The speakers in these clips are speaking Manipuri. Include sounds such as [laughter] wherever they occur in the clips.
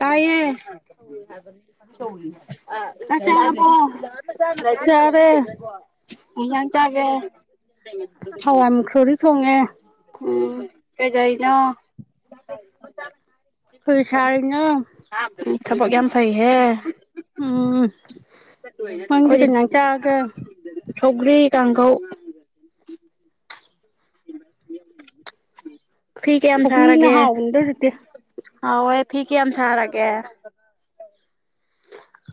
ꯇꯥꯌꯦ ꯆꯥꯛ ꯆꯥꯔꯥꯕꯣ ꯆꯥꯔꯦ ꯀꯩ ꯍꯤꯟꯖꯥꯡ ꯆꯥꯒꯦ ꯍꯋꯥꯏ ꯃꯨꯛꯁꯣꯔꯤ ꯊꯣꯡꯉꯦ ꯎꯝ ꯀꯥꯗꯩꯅꯣ ꯀꯩ ꯁꯥꯔꯤꯅꯣ ꯊꯕꯛ ꯌꯥꯝ ꯄꯩꯍꯦ ꯎꯝ ꯅꯪꯗꯤ ꯀꯩ ꯏꯟꯖꯥꯡ ꯆꯥꯔꯒꯦ ꯁꯧꯒ꯭ꯔꯤ ꯀꯥꯡꯒꯧ [unintelligible] ꯐꯤ ꯀꯥꯌꯥꯝ ꯁꯧꯒ꯭ꯔꯤꯅ ꯁꯥꯔꯥꯒꯦ ꯍꯥꯎꯕꯅꯤꯗ ꯍꯧꯖꯤꯛꯇꯤ ꯍꯥꯎꯋꯦ ꯐꯤ ꯀꯥꯌꯥꯝ ꯁꯥꯔꯥꯒꯦ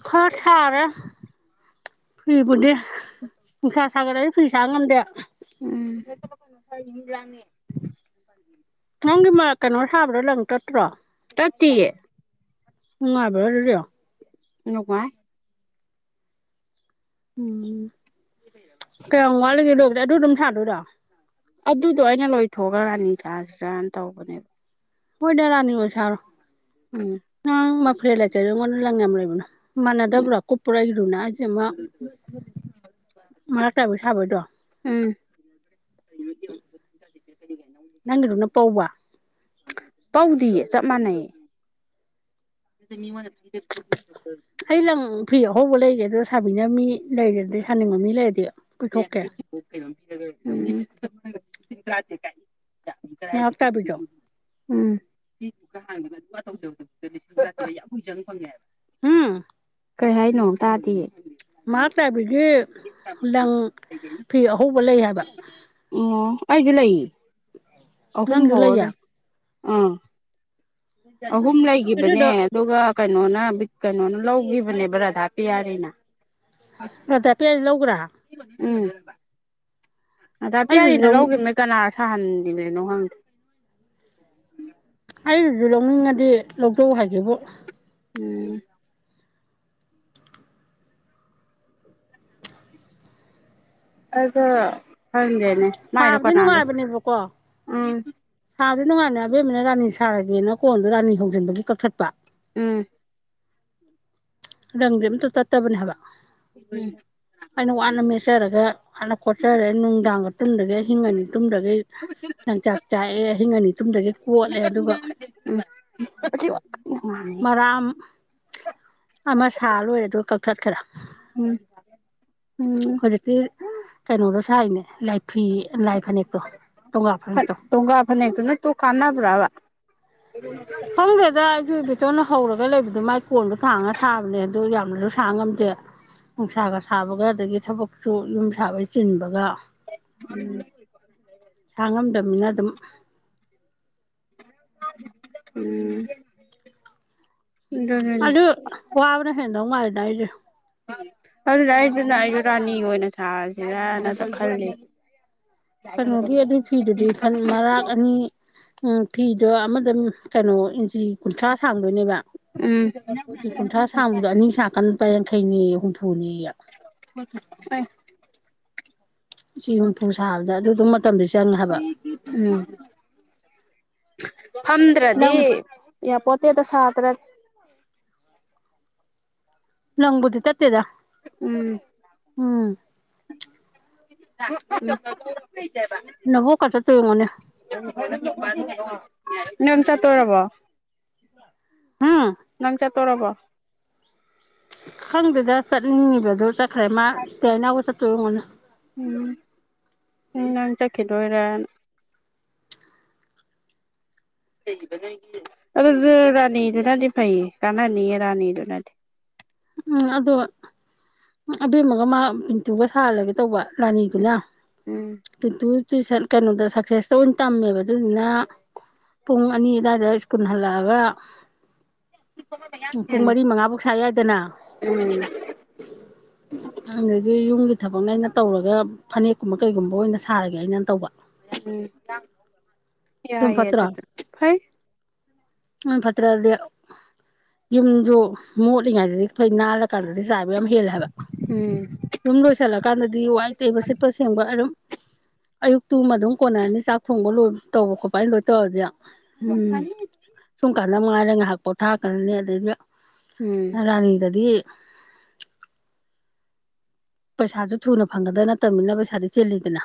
ꯈꯔ ꯁꯥꯔꯦ ꯐꯤꯕꯨꯗꯤ ꯅꯨꯡꯁꯥ ꯁꯥꯒꯠꯂꯛꯑꯥꯗꯤ ꯐꯤ ꯁꯥꯕ ꯉꯝꯗꯦ ꯎꯝ ꯅꯪꯒꯤ ꯃ ꯀꯩꯅꯣ ꯂꯪ ꯇꯠꯇ꯭ꯔꯣ ꯇꯠꯇꯤꯌꯦ ꯅꯨꯡꯉꯥꯏꯕ꯭ꯔꯥ ꯑꯗꯨꯗꯤ ꯅꯨꯡꯉꯥꯏ ꯑꯝ ꯀꯥꯌꯥꯝ ꯋꯥꯠꯂꯤꯒꯦ ꯑꯗꯨ ꯗꯨꯝ ꯁꯥꯗꯣꯏꯔꯣ ꯑꯗꯨꯗꯣ ꯑꯩꯅ ꯂꯣꯏꯊꯣꯛꯑꯥꯒ ꯔꯥꯅꯤ ꯁꯥꯖꯤꯔꯥꯅ ꯇꯧꯕꯅꯦ ꯍꯣꯏꯗꯥ ꯔꯥꯅꯤ ꯅꯣꯢꯅ ꯁꯥꯔꯣ ꯎꯝ ꯅꯪ ꯃꯥꯐꯦꯟ ꯂꯩꯇ꯭ꯔꯥꯒꯨ ꯑꯩꯉꯣꯟ ꯂꯪ ꯌꯥꯝ ꯂꯩꯕꯅꯦ ꯎꯝ ꯃꯥꯟꯅꯥꯗꯥꯕ꯭ꯔꯣ ꯀꯨꯞꯄ꯭ꯔꯥ ꯏꯃꯥꯏ ꯄ ꯦꯃꯃꯥꯔꯥꯛ ꯇꯥꯏꯕꯥ ꯁꯥꯕꯩꯗꯣ ꯎꯝ ꯅꯪꯒꯤꯗꯨꯅ ꯄꯧꯕ ꯄꯧꯗꯤꯌꯦ ꯆꯞ ꯃꯥꯅꯩ ꯃꯤꯉꯣꯟꯗꯩ ꯑꯩ ꯂꯪ ꯐꯤ ꯑꯍꯧꯕ ꯂꯩꯌꯦ ꯑꯗꯣ ꯁꯥꯕꯤꯅꯕ ꯃꯤ ꯂꯩꯔꯗꯤ ꯁꯥꯅꯤꯡꯕ ꯃꯤ ꯂꯩꯔꯗꯤ ꯄꯨꯊꯣꯛꯀꯦ [inaudible] [unintelligible] [unintelligible] [inaudible] ꯃꯔꯥꯛ ꯇꯥꯏꯕꯤꯗꯣ [unintelligible] [unintelligible] ꯍꯝ ꯀꯩꯍꯥꯏꯅꯣ ꯇꯥꯗꯤꯌꯦ [unintelligible] ꯂꯪ ꯐꯤ ꯑꯍꯧꯕ ꯂꯩ ꯍꯥꯏꯕ ꯑꯣ ꯅꯩꯗꯤ ꯂꯩꯌꯦ ꯅꯪꯖꯨ ꯂꯩꯌꯦ ꯎꯝ [unintelligible] ꯑꯍꯨꯝ ꯂꯩꯒꯤꯕꯅꯦ ꯑꯗꯨꯗꯣ ꯑꯗꯨꯒ ꯀꯩꯅꯣꯅ ꯀꯩꯅꯣꯅ ꯂꯧꯒꯤꯕꯅꯦꯕ ꯔꯗꯥꯄꯤꯌꯥꯔꯤꯅ ꯔꯗꯥꯄꯤꯌꯥꯔꯤ ꯂꯧꯒ꯭ꯔꯦ ꯎꯝ ꯔꯗꯥꯄꯤꯌꯥꯔꯤꯅ ꯑꯩꯗꯨꯁꯨ ꯂꯧꯒꯤꯝꯅꯤ ꯀꯅꯥ [unintelligible] ꯑꯩꯅꯗꯤ ꯂꯧꯅꯤꯡ ꯉꯗꯤ ꯂꯧꯖꯧ ꯍꯥꯏꯒꯦꯕꯨ ꯎꯝ [unintelligible] ꯃꯥꯏꯗꯨ ꯁꯥꯕꯗꯤ ꯀꯅꯥꯗ ꯅꯨꯡꯉꯥꯏꯕꯅꯦꯕꯀꯣ ꯎꯝ ꯁꯥꯕꯗꯤ ꯅꯨꯉꯥꯏꯕꯅꯦ ꯑꯕꯦꯃꯅꯥ ꯔꯥꯅꯤ ꯁꯔꯒꯦꯅ ꯀꯣꯟꯗꯣ ꯔꯥꯅꯤ ꯍꯧꯖꯤꯟꯕꯒꯤ ꯀꯛꯊꯠꯄ ꯎꯝ ꯂꯪꯗꯤ ꯑꯃꯠꯇ ꯇꯠꯇꯕꯅꯤ ꯍꯥꯏꯕ [unintelligible] ꯑꯩꯅ ꯋꯥꯅ ꯃꯦꯠꯆꯔꯒꯥ ꯅꯨꯡꯗꯥꯡꯒ ꯇꯨꯝꯗꯒꯩ ꯑꯍꯤꯡ ꯑꯅꯤ ꯇꯨꯝꯗꯒꯩ ꯂꯪꯆꯥꯛ ꯆꯥꯛꯑ ꯑꯍꯤꯡ ꯑꯅꯤ [unintelligible] [unintelligible] ꯎꯝ [unintelligible] [unintelligible] [unintelligible] [unintelligible] ꯍꯨꯖꯤꯛꯇꯤ ꯀꯩꯅꯣꯗꯣ ꯁꯥꯏꯅꯦ [unintelligible] ꯐꯅꯦꯛꯇꯣ ꯇꯣꯡꯒ ꯐꯥꯅꯦꯛꯇꯣ ꯀꯥꯟꯅꯕꯔ꯭ꯕ [unintelligible] ꯈꯡꯗꯦꯗꯥ ꯑꯩꯁꯨ ꯏꯕꯦꯇꯣꯟꯅ ꯍꯧꯔꯒ ꯂꯩꯕꯗꯨ ꯃꯥꯏ ꯀꯣꯟꯗꯨ ꯊꯥꯡꯉ ꯁꯥꯕꯅꯦ ꯑꯗꯨ ꯌꯥꯝꯅꯁꯨ ꯁꯥ ꯉꯝꯗꯦ ꯅꯨꯡꯁꯥꯒ ꯁꯥꯕꯒ ꯑꯗꯒꯤ ꯊꯕꯛꯁꯨ ꯌꯨꯝ ꯁꯥꯕꯩ ꯆꯤꯟꯕꯒ [unintelligible] [unintelligible] ꯎꯝ ꯑꯗꯨꯅꯤꯅꯦ ꯑꯗꯨ ꯋꯥꯕꯅ ꯍꯦꯟ [unintelligible] ꯃꯥꯜꯂꯤꯗ ꯑꯩꯗꯤ ꯑꯗꯨꯅ ꯑꯩꯖꯨꯅ ꯑꯩꯁꯨ ꯔꯥꯁꯤ ꯑꯣꯏꯅ ꯁꯥꯔꯁꯤꯔꯅ ꯈꯜꯂꯤꯅꯤ ꯀꯩꯅꯣꯒꯤ ꯑꯗꯨꯏ ꯐꯤꯗꯨꯗꯤ ꯐꯟ ꯃꯔꯥꯛ ꯑꯅꯤ ꯎꯝ ꯐꯤꯗꯣ ꯑꯃꯗ ꯀꯩꯅꯣ ꯏꯟꯆꯤ ꯀꯨꯟꯊ꯭ꯔꯥ ꯁꯥꯡꯗꯣꯏꯅꯦꯕꯥ ꯎꯝ ꯎꯝ ꯀꯨꯟꯊ꯭ꯔꯥ ꯁꯥꯡꯕꯗꯣ ꯑꯅꯤ ꯁꯥꯀꯥꯟꯗ ꯂꯨꯄꯥ ꯌꯥꯡꯈꯩꯅꯦꯌꯦ ꯍꯨꯝ [inaudible] [unintelligible] ꯆꯤ ꯍꯨꯝꯐꯨ ꯁꯥꯕꯗ ꯑꯗꯨ ꯗꯨꯝ ꯃꯇꯝꯗꯤ ꯆꯪꯉꯦ ꯍꯥꯏꯕ ꯎꯝ ꯐꯝꯗ꯭ꯔꯗꯤ ꯂꯪ ꯌꯥꯄꯣꯠꯇꯦꯗ ꯁꯥ [unintelligible] ꯂꯪ ꯕꯨꯗꯤ ꯇꯠ ꯎꯝ ꯎꯝ ꯅꯕꯣꯛꯀ ꯆꯠꯇꯣꯏ ꯑꯣꯏꯔꯝꯒꯅꯤ [unintelligible] [unintelligible] ꯅꯪ ꯆꯠꯇꯣꯔꯕꯣ ꯍꯨꯝ ꯇꯣꯔꯕꯣ ꯈꯪꯗꯦꯗ ꯆꯠꯅꯤꯡꯉꯤꯔꯁꯨ ꯆꯠ ꯈꯨꯔꯨꯝꯖꯔ ꯃꯥ ꯇꯦꯅꯥꯎꯒ [unintelligible] ꯎꯝ ꯑꯩ ꯅꯪ ꯆꯠꯈꯤꯗꯣꯏꯔꯅ [unintelligible] ꯑꯗꯨꯗꯤ ꯔꯥꯅꯤ ꯗꯨꯅꯗꯤ ꯐꯩꯌꯦ ꯀꯥꯟꯅꯅꯤꯌꯦ ꯔꯥꯅꯤ ꯗꯨꯅꯗꯤ ꯎꯝ ꯑꯗꯣ ꯑꯕꯦꯝꯃꯒ ꯃꯥ ꯄꯤꯟꯇꯨꯒ ꯁꯥꯍꯜꯂꯒꯦ ꯇꯧꯕ ꯔꯥꯅꯤ ꯗꯨꯅ ꯎꯝ ꯄꯤꯟꯇꯨ ꯇꯨꯏꯁꯟ ꯀꯩꯅꯣꯗ ꯁꯛꯁꯦꯁꯇ ꯑꯣꯏ ꯇꯝꯃꯦꯕ ꯑꯗꯨꯗꯨꯅ ꯄꯨꯡ ꯑꯅꯤ ꯑꯕꯥꯏꯗ ꯁ꯭ꯀꯨꯟ ꯍꯜꯂꯛꯑꯒ ꯄꯨꯡ ꯎꯝ ꯃꯔꯤ ꯃꯉꯥ ꯕꯤ ꯁꯥ ꯌꯥꯏꯗꯅ ꯎꯝ [unintelligible] ꯁꯥꯔꯒꯦ ꯑꯩꯅ ꯇꯧꯕ ꯎꯝ [unintelligible] ꯌꯥꯏꯌꯦ ꯑꯗꯨꯁꯨ ꯐꯩ ꯗꯨꯟ ꯐꯠꯇ꯭ꯔꯣꯗꯤ ꯌꯨꯝꯖꯨ ꯃꯣꯠꯂꯤꯉꯥꯏꯗꯗꯤ ꯅꯥꯜꯂꯀꯥꯟꯗꯗꯤ ꯆꯥꯕ ꯌꯥꯝ ꯍꯦꯜꯂꯦ ꯍꯥꯏꯕ ꯎꯝ ꯁꯨꯝ ꯂꯣꯏꯁꯜꯂꯀꯥꯟꯗꯗꯤ ꯋꯥꯏ ꯇꯩꯕ ꯁꯤꯠꯄ ꯁꯦꯡꯕ ꯑꯗꯨꯝ ꯑꯌꯨꯛꯇꯨꯃ ꯗꯨꯝ ꯀꯣꯅꯔꯅꯤ ꯆꯥꯛ ꯊꯣꯡꯕ ꯂꯣꯏꯕ ꯇꯧꯕ ꯈꯣꯠꯄꯠ ꯑꯩ ꯂꯣꯏ ꯇꯧꯔꯗꯤ ꯎꯝ ꯂꯝꯒꯥꯡ ꯗꯥ ꯉꯥꯛ ꯄꯣꯊꯒꯔꯥꯅꯤ ꯎꯝ ꯑꯗꯩ ꯗꯤ [inaudible] ꯄꯩꯁꯥꯗꯣ ꯊꯨꯅꯥ ꯐꯪ ꯒꯗꯧ ꯅꯠ ꯇꯥꯕꯅꯤꯅꯥ ꯄꯩꯁꯗꯣ ꯆꯤꯟꯂꯤꯗꯅ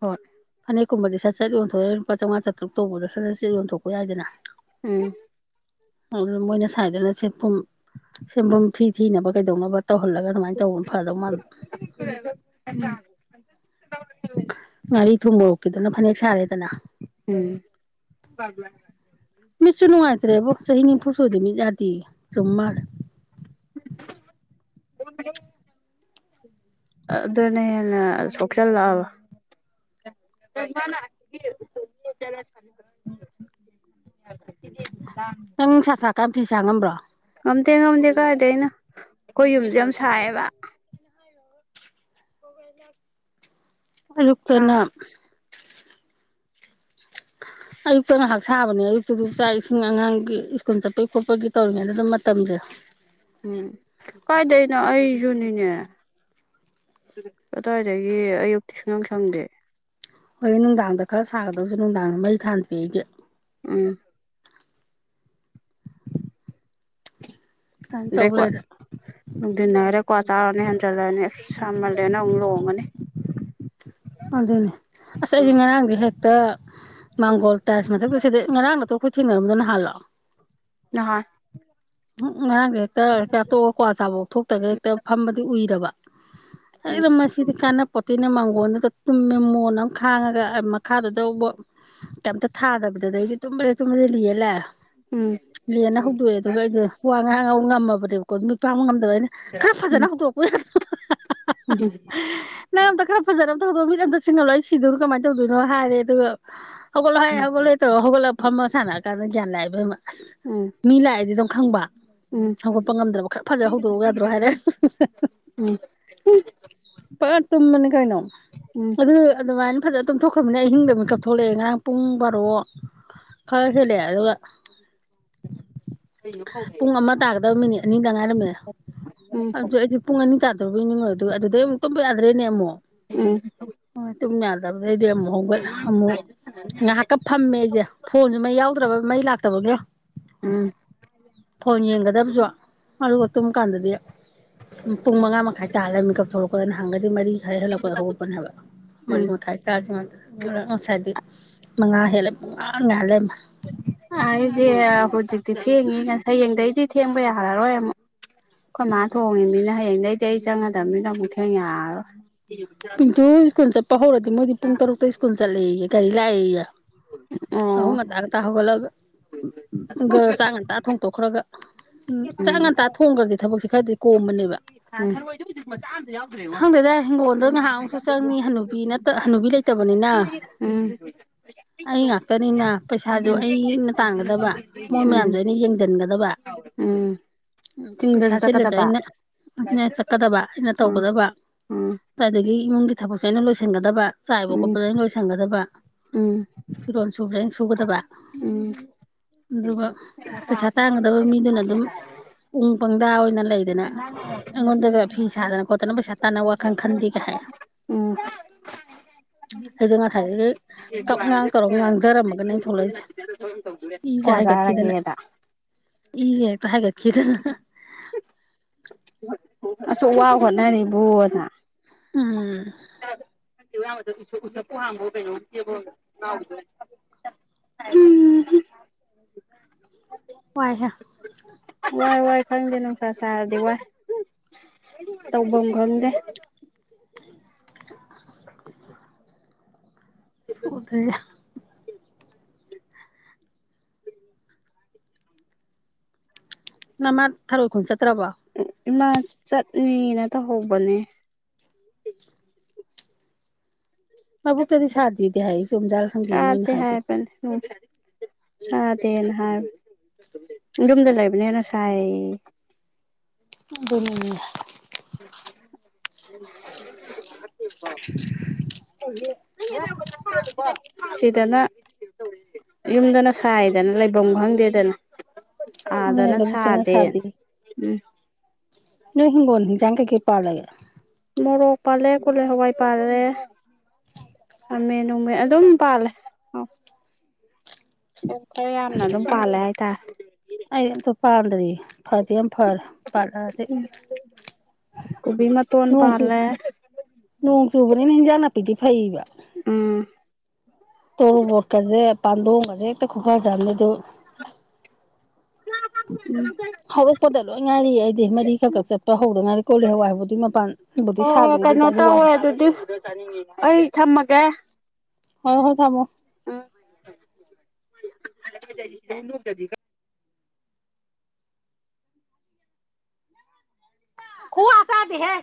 ꯍꯣꯏ ꯐꯥꯅꯦꯛ ꯀꯨꯝꯕꯗꯤ ꯁꯠ ꯁꯠ ꯌꯣꯟꯊꯣꯛ ꯑꯒꯥ ꯂꯨꯄꯥ ꯆꯧꯉꯥ ꯆꯇꯔꯨꯛ ꯁꯠ ꯁꯠ ꯌꯣꯟꯊꯣꯛꯄ ꯌꯥꯏꯗꯅ ꯎꯝ ꯃꯣꯏꯅꯥ ꯁꯥꯏꯗꯨꯅ ꯁꯦꯟꯕꯨꯝ ꯐꯤ ꯊꯤꯅꯕꯥ ꯀꯩꯗꯧꯅꯕꯥ ꯑꯗꯨꯃꯥꯏ ꯇꯧꯕꯅꯥ ꯐꯥꯗꯧ ꯃꯥꯜꯂꯦ [inaudible] ꯉꯥꯔꯤ ꯊꯨꯝ ꯃꯣꯔꯣꯛ ꯀꯤꯗꯨ ꯅꯥ ꯐꯅꯦꯛ ꯁꯔꯦꯗꯅ ꯎꯝ ꯃꯤꯠꯁꯨ ꯅꯨꯡꯉꯥꯏꯇꯔ꯭ꯦꯕꯣ ꯆꯍꯤ ꯅꯤꯐꯨ ꯁꯨꯔꯗꯤ ꯃꯤꯠ ꯌꯗꯦꯌꯦ ꯆꯨꯝ ꯃꯥꯜꯂꯦ ꯑꯗꯨꯅ ꯍꯦꯟ ꯅꯥ ꯁꯣꯛꯆꯜ ꯂꯛ ꯑꯕꯥ ꯅꯪ ꯅꯨꯡꯁꯥ ꯁꯔꯥ ꯀꯥꯟꯗꯥ ꯐꯤ ꯁꯥꯕ ꯉꯝꯕꯔꯣ ꯉꯝꯗꯦ ꯉꯝꯗꯦ ꯀꯥꯏꯗꯩꯩ ꯅꯣ ꯑꯩꯈꯣꯏ ꯌꯨꯝꯖꯦ ꯌꯥꯝ ꯁꯥꯌꯦꯕꯥ ꯁꯥ ꯑꯌꯨꯛꯇꯅ ꯑꯌꯨꯛꯇ ꯉꯍꯥꯛ ꯁꯥꯕ ꯑꯌꯨꯛ ꯇꯥꯁꯨ ꯆꯥꯛ ꯏꯁꯤꯡ ꯑꯉꯥꯡ ꯒꯤ ꯁꯀ꯭ꯨꯜ ꯆꯠꯄꯩ ꯈꯣꯠꯄꯩ ꯇꯧꯔꯤꯉꯩꯗ ꯃꯇꯝꯖꯦ ꯀꯥꯏꯗꯩ ꯅꯣ ꯑꯩꯖꯨꯅꯤꯅꯦ ꯀꯗꯥꯏꯗꯩꯩ ꯑꯌꯨꯛꯇꯤ ꯁꯨꯡꯁꯪ ꯁꯪꯗꯦ ꯍꯣꯔꯦꯟ ꯅꯨꯡꯗꯥꯡꯗ ꯈꯔꯥ ꯁꯗꯧꯁꯨ ꯅꯨꯡꯗꯥꯡꯗ ꯃꯩ ꯊꯥꯟꯗꯦ ꯑꯩꯗꯤ ꯎꯝ ꯑꯗꯨꯃꯥꯏꯅ ꯇꯧ ꯂꯩꯔꯦ ꯅꯨꯡꯊꯤꯜ ꯍꯥꯏꯔꯦ ꯀꯋ꯭ꯥ ꯆꯔꯥ ꯍꯦꯟꯖꯤꯂꯛ ꯑꯅꯤ ꯁꯃꯟꯂꯦꯅ ꯑꯃꯨꯛ ꯂꯣꯡꯉꯅꯤ ꯑꯗꯨꯅꯤ ꯑꯩꯗꯤ ꯉꯔꯥꯡꯗꯤ ꯍꯦꯛꯇꯥ ꯥꯃꯥꯡꯒꯣꯜ ꯇꯥꯏꯁ ꯃꯊꯛꯇꯥ ꯁꯤꯗꯥ ꯉꯔꯥꯡ ꯅꯇꯔꯣ ꯊꯦꯡꯅꯥꯔꯝꯗꯣ ꯃꯍꯥꯟꯂꯣ ꯅꯥꯍꯥꯟ [inaudible] ꯉꯔꯥꯡ ꯖꯦ ꯍꯦꯛꯇꯥ ꯆꯥꯛ ꯇꯣꯛ ꯑꯒꯥ ꯀꯋ꯭ꯥ ꯆꯕꯥꯐꯥꯎ ꯊꯣꯛꯇꯒꯩ ꯐꯝꯕꯗꯩꯩ ꯎꯏ ꯔꯕꯥ [inaudible] ꯍꯦꯛꯇꯥ ꯃꯁꯤꯗꯤ ꯀꯅꯥꯄꯣꯠ ꯇꯦꯅ ꯃꯥꯡꯒꯣꯜꯗ ꯇꯨꯝ ꯃꯦ ꯃꯣꯟ ꯑꯃꯥ ꯈꯥꯡꯉꯒ ꯃꯈꯥꯗꯥ ꯀꯩꯝꯃꯥ ꯊꯗꯕꯤꯗ ꯑꯗꯩꯗꯤ ꯇꯨꯝꯕꯥꯖꯤ ꯇꯨꯝꯕꯥꯖꯤ ꯎꯝ ꯂꯦꯟ ꯅꯥ ꯍꯧꯗꯣꯛ ꯑꯦ ꯑꯩꯗꯣ ꯋꯥ ꯉꯥꯡ [unintelligible] ꯉꯝꯃꯥꯕꯅꯦꯕꯀꯣ ꯃꯤꯠ ꯄꯥꯡꯕ ꯑꯩꯅ ꯈꯔ ꯎꯝ ꯎꯝ ꯐꯖꯅ ꯍꯧꯗꯣꯛꯔꯛꯄꯥ ꯌꯥꯗ꯭ꯔꯣ ꯅꯪ ꯑꯝꯇ ꯈꯔ ꯐꯖꯅ [inaudible] ꯃꯤꯠ ꯑꯝꯇ ꯑꯃꯇꯥ ꯁꯤꯡꯍꯜꯂꯣ ꯑꯩ ꯁꯤꯗꯣꯔꯦ ꯀꯥꯃꯥꯢ ꯇꯧꯗꯣꯏꯅꯣ ꯍꯥꯏꯔꯦ ꯑꯗꯨꯒ ꯍꯧꯒꯠꯂꯍꯦ ꯍꯧꯒꯠꯂꯍꯦ ꯇꯧꯔꯥꯒ ꯍꯧꯒꯠꯂꯥ ꯐꯝꯃꯥꯒ ꯁꯥꯟꯅꯥꯔꯥ ꯀꯥꯟꯗꯥ ꯒꯤꯌꯥꯟ ꯂꯥꯛꯑꯦ ꯏꯕꯦꯝꯃꯥ ꯑꯁ ꯎꯝ ꯃꯤ ꯂꯥꯛ ꯑꯗꯨꯝ ꯈꯪꯕ ꯎꯝ ꯎꯝ ꯎꯝ ꯍꯧꯒꯠꯄꯥ ꯉꯝꯗ꯭ꯔꯥꯕꯥ ꯈꯔ ꯐꯖꯥꯅ ꯍꯧꯗꯣꯛꯑꯣ ꯌꯥꯗ꯭ꯔꯣ ꯍꯥꯏꯅꯦ ꯐꯖ ꯇꯨꯝꯕꯅꯤ ꯀꯩꯅꯣ ꯎꯝ ꯑꯗꯨ ꯑꯗꯨꯃꯥꯏꯅ ꯐꯖꯥꯅ ꯇꯨꯝꯊꯣꯛ ꯈ꯭ꯔꯥꯃꯤꯅ ꯑꯍꯤꯡꯗ ꯃꯤꯀꯞ ꯊꯣꯛꯂꯛꯅꯦ ꯉꯥꯔꯥꯡ ꯄꯨꯡ ꯕꯥꯔꯣ ꯈꯔ ꯍꯦꯜꯂꯛꯅꯦ ꯑꯗꯨꯒ ꯄꯨꯡ ꯑꯃ ꯇꯥꯒꯗꯥꯕ ꯃꯤꯅꯤꯠ ꯑꯅꯤꯗꯪ ꯉꯥꯏꯔꯝꯃꯦ ꯑꯗꯨ ꯑꯩꯗꯤ ꯄꯨꯡ ꯑꯅꯤ ꯇꯥꯗꯣꯏꯕꯣꯏ ꯅꯤꯡꯉꯨꯔꯦ ꯑꯗꯩ ꯇꯨꯝꯕꯥ ꯌꯥꯗ꯭ꯔꯦꯅꯦ ꯑꯃꯨꯛ ꯎꯝ ꯎꯝ ꯇꯨꯡ ꯌꯥꯗ ꯑꯗꯩꯗꯤ ꯑꯃꯨꯛ ꯍꯧꯒꯠꯂꯦ ꯑꯃꯨꯛ ꯉꯥꯏꯍꯥꯛꯀꯥ ꯐꯝꯃꯦ ꯑꯩꯖꯦ ꯐꯣꯟꯖꯨ ꯃꯩ ꯌꯥꯎ ꯗ꯭ꯔꯥꯕ ꯃꯩ ꯂꯥꯛꯇꯥꯕꯒꯤ ꯎꯝ ꯐꯣꯟ ꯌꯦꯡꯒꯗꯥꯕꯁꯨ ꯑꯗꯨꯒ ꯇꯨꯝ ꯀꯥꯟꯗꯥꯗꯤ ꯄꯨꯡ ꯃꯉꯥ ꯃꯈꯥꯏ ꯇꯥ ꯂꯩꯔꯝꯃꯦ ꯃꯤꯀꯞ ꯊꯣꯛꯂꯛꯄꯗꯥ ꯅꯥꯍꯥꯟꯒꯩꯗꯤ ꯃꯔꯤ ꯈꯔ ꯍꯦꯜꯂꯛꯨꯗꯥ ꯍꯧꯒꯠꯄꯥꯅꯦꯕ ꯃꯔꯤ ꯎꯝ ꯃꯥꯈꯥꯏ ꯇꯥꯗ꯭ꯔꯤꯉꯩꯗ ꯑꯗꯨꯅ ꯉꯥꯁꯥꯏꯗꯤ ꯃꯉꯥ ꯍꯦꯜꯂꯦ ꯄꯨꯡꯉꯥꯟ ꯉꯥꯟ ꯂꯩꯔꯝꯃꯦ ꯑꯩꯗꯤ ꯍꯧꯖꯤꯛ ꯊꯦꯡꯉꯤꯍꯦ ꯍꯥꯌꯦꯡꯗꯩꯗꯤ ꯊꯦꯡꯕ ꯌꯥꯔꯥꯔꯣꯏ ꯑꯃꯨꯛ ꯑꯩꯈꯣꯏ ꯃꯥ ꯊꯣꯡꯢꯃꯤꯅꯥ ꯍꯥꯌꯦꯡꯗꯩꯗꯤ ꯑꯩ ꯆꯪꯡꯉꯗꯝꯃꯤꯅ ꯑꯃꯨꯛ ꯊꯦꯡ ꯌꯥꯔꯥꯔꯣꯏ ꯄꯤꯟꯇꯨ ꯍꯣꯏ ꯁ꯭ꯀꯨꯂ ꯆꯠꯄ ꯍꯧꯔꯥꯗꯤ ꯃꯣꯏꯗꯤ ꯄꯨꯡ ꯇꯥꯔꯨꯛꯇꯥ ꯁ꯭ꯀꯨꯂ ꯆꯠꯂꯦꯌꯦ ꯒꯥꯔꯤ ꯂꯥꯛꯑꯦꯌꯦ ꯌꯥꯍꯧ ꯑꯣ ꯉꯥꯟꯇꯥ ꯉꯥꯟꯇꯥ ꯍꯧꯒꯠꯂꯥꯒ ꯒ ꯆꯥꯛ ꯉꯥꯟꯇꯥ ꯊꯣꯡ ꯈꯔꯒ ꯎꯝ ꯆꯥꯛ ꯉꯥꯟꯇꯥ ꯊꯦꯡꯒ꯭ꯔꯥꯗꯤ ꯊꯕꯛꯁꯦ ꯈꯔꯗꯤ ꯀꯣꯝꯕꯥꯅꯦꯕ ꯊꯔꯣꯏꯗꯣ ꯍꯧꯖꯤꯛ ꯃꯆꯥ ꯑꯃꯇꯥ ꯌꯥꯎꯗ꯭ꯔꯦꯉꯣ ꯈꯪꯗꯦꯗ ꯍꯤꯡꯒꯣꯜꯗꯣ ꯉꯥꯏꯍꯥꯛ ꯑꯃꯨꯛꯁꯨ ꯆꯪꯅꯤ ꯍꯥꯅꯨꯕꯤ ꯅꯠꯇꯥ ꯍꯥꯅꯨꯕꯤ ꯂꯩꯇꯥꯃꯤꯅ ꯑꯩ ꯉꯥꯛꯇꯥꯅꯤꯅ ꯄꯩꯁꯥꯒꯨ ꯑꯩꯅ ꯇꯥꯟꯒꯗꯕ ꯎꯝ ꯎꯝ ꯃꯣꯏꯖꯨ ꯎꯝ ꯎꯝ ꯃꯥꯌꯥꯝꯁꯨ ꯑꯩꯅ ꯉꯦꯡꯖꯟꯒ ꯎꯝ ꯄꯩꯁꯥ ꯆꯤꯡꯗꯁꯨ ꯆꯤꯜꯂꯖꯨ ꯆꯠꯀꯗꯕ ꯑꯩꯅ ꯃꯦꯟꯈꯠꯀꯥꯗꯥꯕ ꯑꯩꯅ ꯎꯝ ꯇꯧꯒꯗꯕ ꯎꯝ ꯏꯃꯨꯡꯒꯤ ꯊꯕꯛꯇꯅ ꯂꯣꯏꯁꯤꯟꯒꯗꯕ ꯆꯥꯏꯕ ꯎꯝ ꯈꯣꯠꯄ ꯎꯝ ꯎꯝ ꯑꯗꯨꯒ ꯄꯩꯁꯥ ꯇꯥꯟꯒꯗꯕ ꯃꯤꯗꯨꯅ ꯑꯗꯨꯝ [unintelligible] [unintelligible] ꯑꯩꯉꯣꯟꯗꯒ ꯐꯤ ꯁꯥꯗꯅ ꯈꯣꯠꯇꯅ ꯄꯩꯁꯥ ꯇꯥꯟꯅꯕ ꯋꯥꯈꯜ ꯈꯟꯗꯦ [unintelligible] ꯎꯝ ꯑꯗꯨ ꯉꯁꯥꯏꯗꯒꯤ ꯀꯞꯉꯥꯡ ꯇꯧꯔꯒ ꯉꯥꯡꯗꯔꯝꯃꯒꯅꯤ ꯏꯖꯦ ꯀ꯭ꯋꯥ ꯍꯥꯏꯒꯠꯈꯤꯗꯅ ꯆꯥꯔꯒꯦꯗ ꯏꯖꯦ ꯍꯦꯛꯇ ꯍꯥꯏꯒꯠ [unintelligible] [unintelligible] ꯎꯝ [unintelligible] ꯋꯥꯏꯍꯦ ꯋꯥꯏ ꯋꯥꯏ ꯈꯪꯗꯦ ꯅꯨꯡꯁꯥ ꯁꯔꯗꯤ ꯋꯥꯏ ꯇꯧꯕꯝ ꯈꯪꯗꯦ [unintelligible] ꯃꯃꯥ ꯊꯔꫭꯏ ꯈꫭ ꯆꯠ ꯇꯔꯕꫭ ꯏꯃꯥ ꯆꯠꯂꯤꯅꯥ ꯇꯧꯍꯧꯕꯅꯦ ꯂꯧꯕꯨꯛꯇꯗꯤ ꯁꯥꯗꯦꯗꯤ ꯍꯥꯏꯌꯦ ꯆꯨꯝꯖꯠꯂ ꯈꯪꯗꯦ ꯆꯥꯗꯦ ꯃꯣꯏꯅ ꯍꯥꯏꯗꫭ ꯍꯥꯏꯕꯅꯦ ꯁꯥꯗꯦꯅ ꯍꯥꯏꯕꯅꯤ ꯌꯨꯝꯗ ꯂꯩꯕꯅ ꯍꯦꯟꯅ ꯁꯥꯏꯌꯦ ꯑꯗꯨꯅꯤ [unintelligible] [unintelligible] [inaudible] ꯁꯤꯗꯅ ꯌꯨꯝꯗꯅ ꯁꯥꯌꯦꯗꯅ ꯂꯩꯕꯝ ꯈꯪꯗꯦꯗꯅ ꯑꯗꯨꯅꯦ ꯑꯥꯗꯅ ꯂꯧꯕꯨꯛꯇꯅ ꯁꯥꯗꯦ ꯅꯣꯏ ꯍꯤꯡꯒꯣꯜ ꯍꯤꯟꯖꯥꯡ ꯀꯩ ꯀꯩ ꯄꯥꯜꯂꯒꯦ ꯃꯣꯔꯣꯛ ꯄꯥꯜꯂꯦ ꯀꯣꯂꯤ ꯍꯋꯥꯏ ꯄꯥꯜꯂꯦ ꯈꯥꯃꯦꯟ ꯅꯣꯡꯃꯦꯟ ꯑꯗꯨꯝ ꯄꯥꯜꯂꯦ ꯈꯔ ꯌꯥꯝꯅ ꯑꯗꯨꯝ ꯄꯥꯜꯂꯦ ꯍꯥꯏ ꯇꯥꯏ ꯑꯩꯗꯤ ꯑꯝꯇ ꯄꯥꯟꯗꯔ꯭ꯤ ꯐꯗꯤ ꯌꯥꯝ ꯐꯔꯦ ꯄꯥꯜꯂꯛꯑꯗꯤ ꯀꯣꯕꯤ ꯃꯇꯣꯟ ꯅꯣꯡ ꯆꯨ ꯄꯥꯜꯂꯦ ꯅꫭꯡ ꯆꯨꯕꯅꯤꯅ ꯍꯤꯟꯖꯥꯡ ꯅꯄꯤ ꯐꯩꯗꯤ ꯐꯩꯔꯦꯕ ꯎꯝ [unintelligible] ꯇꯣꯔꯣꯕꯣꯠꯀꯥꯖꯦ ꯄꯟꯗꯣꯡꯒꯥꯖꯦ ꯍꯦꯛꯇ ꯈꯨꯐꯖ ꯑꯃꯅꯤ ꯍꯧꯔꯛꯄꯗ ꯂꯣꯏ ꯉꯥꯏꯔꯤ ꯑꯩꯗꯤ ꯃꯔꯤ ꯈꯔꯥ ꯈꯛ ꯆꯠꯄ ꯍꯧꯗ ꯉꯥꯏꯔꯤ ꯀꯣꯂꯤ ꯍꯋꯥꯏꯕꯨꯗꯤ ꯃꯄꯥꯟꯕꯨꯗꯤ ꯑꯣ ꯁꯥꯗꯔ꯭ꯤ ꯀꯩꯅꯣ ꯑꯗꯨꯏꯇꯥꯁꯨ ꯋꯥꯡ ꯇꯧꯋꯦ ꯑꯗꯨꯗꯤ ꯑꯩ ꯊꯝꯃꯒꯦ ꯎꯝ [inaudible] ꯀꯋꯥ ꯆꯥꯗꯦ ꯍꯦ